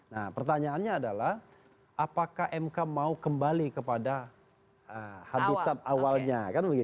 nah pertanyaannya adalah apakah mk mau kembali kepada habitat awalnya